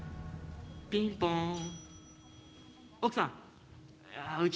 ピンポーン。